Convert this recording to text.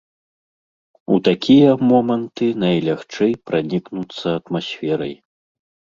У такія моманты найлягчэй пранікнуцца атмасферай.